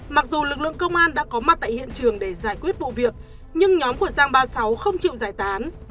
mặc dù lực lượng công an đã có mặt tại hiện trường để giải quyết vụ việc nhưng nhóm của giang ba mươi sáu không chịu giải tán